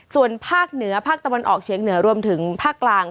ส่วนภาคเหนือภาคตะวันออกเฉียงเหนือรวมถึงภาคกลาง